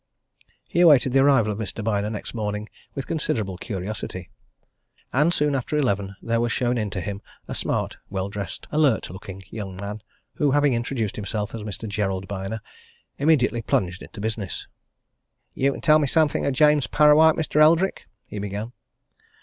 He awaited the arrival of Mr. Byner next morning with considerable curiosity. And soon after eleven there was shown in to him, a smart, well dressed, alert looking young man, who, having introduced himself as Mr. Gerald Byner, immediately plunged into business. "You can tell me something of James Parrawhite, Mr. Eldrick?" he began.